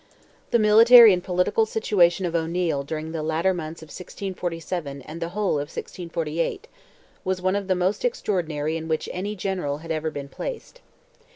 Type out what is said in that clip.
The military and political situation of O'Neil, during the latter months of 1647 and the whole of 1648, was one of the most extraordinary in which any general had ever been placed.